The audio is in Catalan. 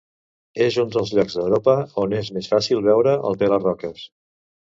És un dels llocs d'Europa on és més fàcil veure el pela-roques.